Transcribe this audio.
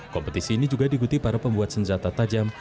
kompetisi ini juga diikuti para pembuat senjata tajam